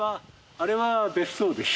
あれは別荘です。